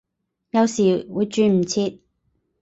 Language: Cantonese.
有時會轉唔切